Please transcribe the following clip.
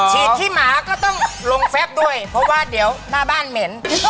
ขี้หมาก็ต้องลงแฟบด้วยเพราะว่าเดี๋ยวหน้าบ้านเหม็น